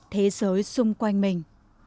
thế giới xung quanh mình